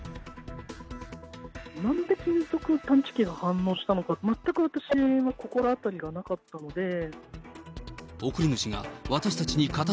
なんで金属探知機が反応したのか、全く私は心当たりがなかっこんにちは。